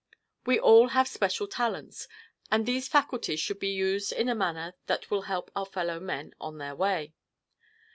We all have special talents, and these faculties should be used in a manner that will help our fellowmen on their way.